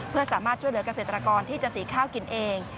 เพื่อสามารถช่วยเหลือกเกษตรกรที่จะสีข้าวกินเอง